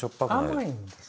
甘いんです。